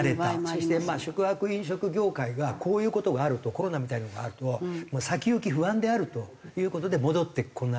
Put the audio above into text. そして宿泊飲食業界がこういう事があるとコロナみたいな事があると先行き不安であるという事で戻ってこない。